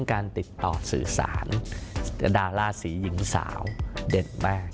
การติดต่อสื่อสารดาราศีหญิงสาวเด็ดมาก